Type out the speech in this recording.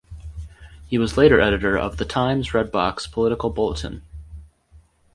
He was later editor of "The Times" Red Box political bulletin.